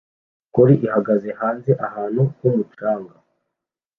Collie ihagaze hanze ahantu h'umucanga